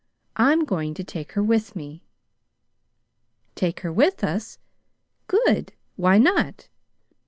I'm going to take her with me." "Take her with us? Good! Why not?"